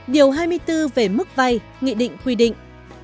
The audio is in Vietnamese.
điều hai mươi bốn về mức vay nghị định quy định